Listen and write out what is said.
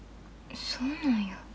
そうなんや。